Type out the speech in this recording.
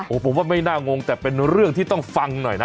ผมว่าไม่น่างงแต่เป็นเรื่องที่ต้องฟังหน่อยนะ